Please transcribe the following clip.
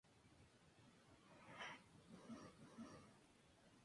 Es sede del condado de Cass.